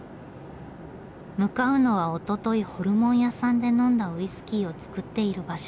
向かうのはおとといホルモン屋さんで呑んだウイスキーを造っている場所。